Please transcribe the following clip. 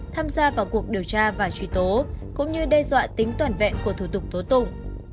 tham gia vào cuộc điều tra và truy tố cũng như đe dọa tính toàn vẹn của thủ tục tố tụng